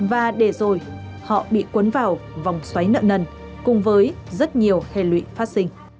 và để rồi họ bị cuốn vào vòng xoáy nợ nần cùng với rất nhiều hệ lụy phát sinh